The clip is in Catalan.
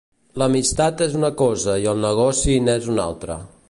L'amistat és una cosa i el negoci n'és una altra.